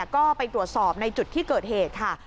ก็ไปตรวจสอบในจุดที่เกิดเหตุค่ะ